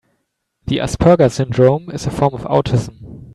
The Asperger syndrome is a form of autism.